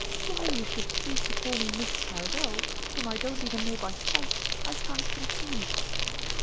Why you should choose to call me Miss Tyrrell, whom I don't even know by sight, I can't conceive